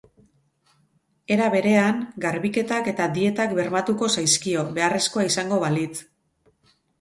Era berean, garbiketak eta dietak bermatuko zaizkio, beharrezkoa izango balitz.